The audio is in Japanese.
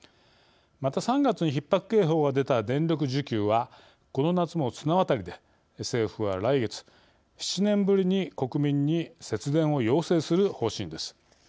また、３月にひっ迫警報が出た電力需給は、この夏も綱渡りで政府は来月、７年ぶりに国民に節電を要請する方針です。